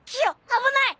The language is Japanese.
危ない！